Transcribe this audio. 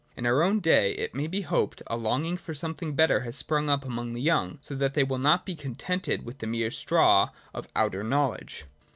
In our own day it may be hoped a longing for something better has sprung up among the young, so that they will not be contented with the mere straw of outer knowledge.